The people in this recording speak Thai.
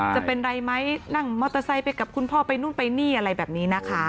จะเป็นไรไหมนั่งมอเตอร์ไซค์ไปกับคุณพ่อไปนู่นไปนี่อะไรแบบนี้นะคะ